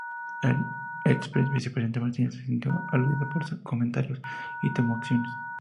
El ex vicepresidente Martínez se sintió aludido por los comentarios, y tomó acciones.